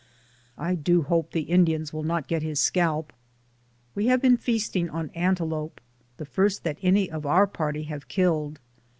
I do hope the Indians will not get his scalp. We have been feasting on antelope, the first that any of our party have killed.